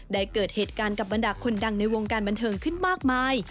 เกิดเหตุการณ์กับบรรดาคนดังในวงการบันเทิงขึ้นมากมาย